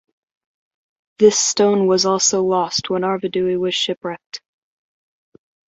This Stone was also lost when Arvedui was shipwrecked.